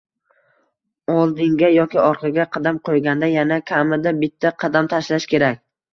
Oldinga yoki orqaga qadam qo'yganda, yana kamida bitta qadam tashlash kerak